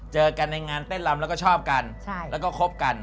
เจอกันในงานเต้นลำแล้วก็ชอบกันแล้วก็คบกัน